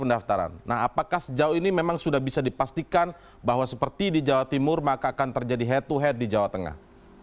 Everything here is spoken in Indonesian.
nah apakah sejauh ini memang sudah bisa dipastikan bahwa seperti di jawa timur maka akan terjadi head to head di jawa tengah